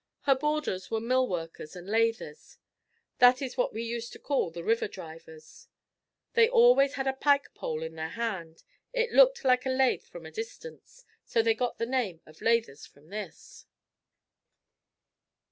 Her boarders were mill workers and "lathers." That is what we used to call the river drivers. They always had a pike pole in their hand. It looked like a lath from a distance, so they got the name of "lathers" from this.